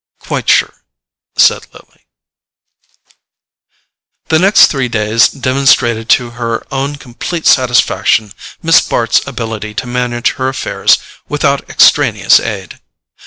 "Quite sure," said Lily. The next three days demonstrated to her own complete satisfaction Miss Bart's ability to manage her affairs without extraneous aid.